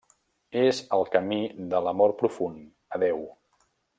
És el camí de l'amor profund a Déu.